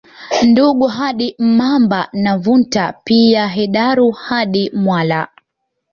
Ndungu hadi Mamba na Vunta pia Hedaru hadi Mwala